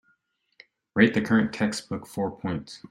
rate the current textbook four points